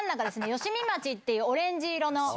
吉見町っていうオレンジ色の。